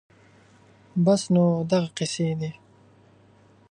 بس نو دغسې قېصې دي